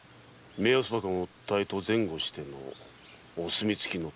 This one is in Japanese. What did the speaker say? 目安箱の訴えと前後してお墨付きの盗難。